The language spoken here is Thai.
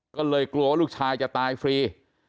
ก็เลยกลัวว่าลูกชายจะตายฟรี